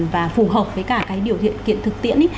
và phù hợp với cả cái điều kiện kiện thực tiễn